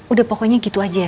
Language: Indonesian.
udah pokoknya gitu aja